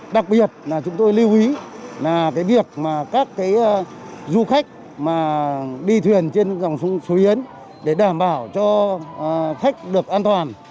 đặc biệt là chúng tôi lưu ý việc các du khách đi thuyền trên dòng suối yến để đảm bảo cho khách được an toàn